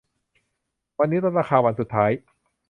วันนี้ลดราคาวันสุดท้าย